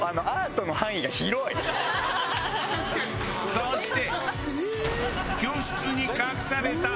そして。